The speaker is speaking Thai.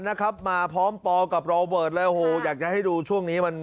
นะครับมาพร้อมปอกับโรเบิร์ตเลยโอ้โหอยากจะให้ดูช่วงนี้มัน